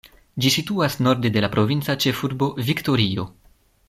Ĝi situas norde de la provinca ĉefurbo Viktorio.